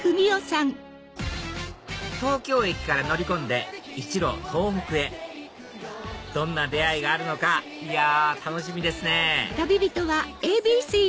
東京駅から乗り込んで一路東北へどんな出会いがあるのかいや楽しみですね